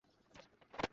তিনি প্যারিসে মারা যান।